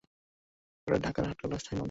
পরে ঢাকার হাটখোলায় স্থায়ী হন।